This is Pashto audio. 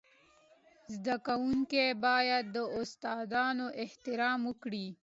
زده کوونکي باید د استادانو احترام وکړي.